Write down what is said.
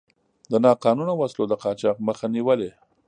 د ناقانونه وسلو د قاچاق مخه نیولې.